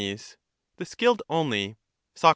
The skilled only. Soc.